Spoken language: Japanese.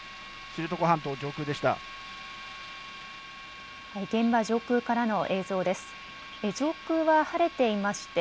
知床半島上空でした。